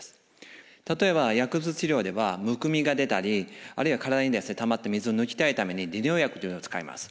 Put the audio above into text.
例えば薬物治療ではむくみが出たりあるいは体にたまった水を抜きたいために利尿薬というのを使います。